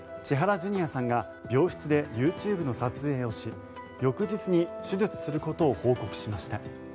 千原ジュニアさんが病室でＹｏｕＴｕｂｅの撮影をし翌日に手術することを報告しました。